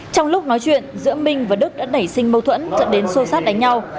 trong lúc nói chuyện giữa minh và đức đã nảy sinh mâu thuẫn dẫn đến sô sát đánh nhau